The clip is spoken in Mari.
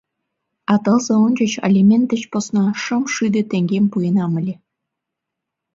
А тылзе ончыч алимент деч посна шым шӱдӧ теҥгем пуэнам ыле.